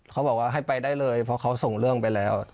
เขาบอกว่าให้ไปได้เลยเพราะเขาส่งเรื่องไปแล้ว